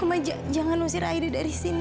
omah jangan usir aida dari sini